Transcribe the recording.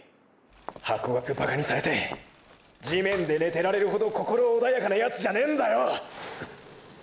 ハコガクバカにされて地面で寝てられるほど心穏やかなヤツじゃねェんだよ！！